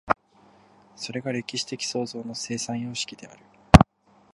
それが歴史的創造の生産様式である。